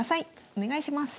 お願いします。